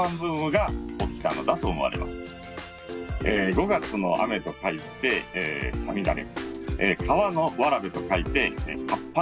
五月の雨と書いて五月雨。